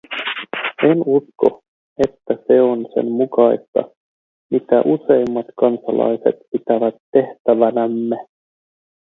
En usko, että se on sen mukaista, mitä useimmat kansalaiset pitävät tehtävänämme.